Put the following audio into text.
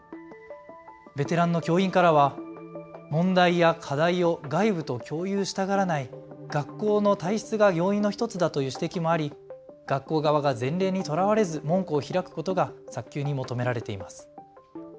ベテランの教員からは問題や課題を外部と共有したがらない学校の体質が要因の１つだという指摘もあり、学校側が前例にとらわれず門戸を開くことが早急に求められています。